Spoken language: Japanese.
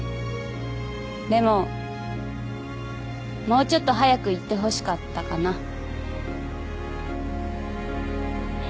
でももうちょっと早く言ってほしかったかな。